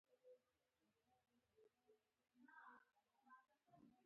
هلک د زړه د باور سمبول دی.